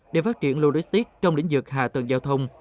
để phát triển logistics trong lĩnh vực hạ tầng giao thông